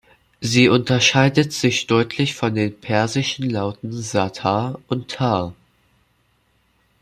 Sie unterscheidet sich deutlich von den persischen Lauten Setar und Tar.